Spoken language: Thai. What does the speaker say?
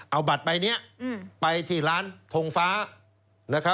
เอาบัตรใบนี้ไปที่ร้านทงฟ้า